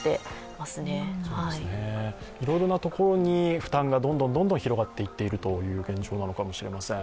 いろいろなところに負担がどんどん広がっているというような現状なのかもしれません。